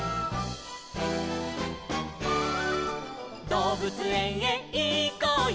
「どうぶつえんへいこうよ